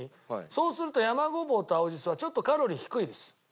そうすると山ごぼうと青じそはちょっとカロリー低いです。